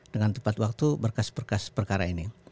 dengan tepat waktu berkas berkas perkara ini